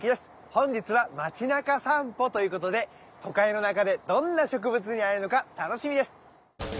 本日は街中さんぽということで都会の中でどんな植物に会えるのか楽しみです。